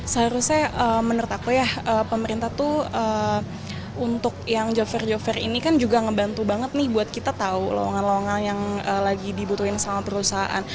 seharusnya menurut aku ya pemerintah tuh untuk yang job fair job fair ini kan juga ngebantu banget nih buat kita tau lawangan lawangan yang lagi dibutuhin sama perusahaan